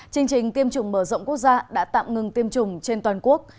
chương trình tiêm chủng mở rộng quốc gia đã tạm ngừng tiêm chủng trên toàn quốc